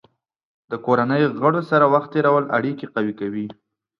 د کورنۍ غړو سره وخت تېرول اړیکې قوي کوي.